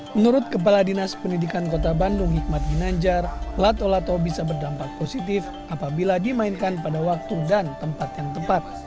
menurut kepala dinas pendidikan kota bandung hikmat ginanjar lato lato bisa berdampak positif apabila dimainkan pada waktu dan tempat yang tepat